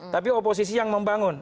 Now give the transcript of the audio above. tapi oposisi yang membangun